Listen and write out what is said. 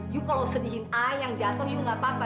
lu kalo sedihin ayah yang jatuh lu gapapa